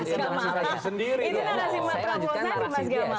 itu narasi prabowo sandi mas gema